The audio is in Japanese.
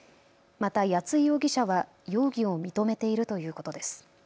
また谷井容疑者は容疑を認めているということです。